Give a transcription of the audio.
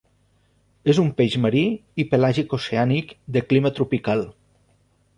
És un peix marí i pelàgic-oceànic de clima tropical.